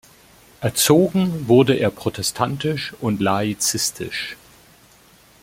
Erzogen wurde er protestantisch und laizistisch.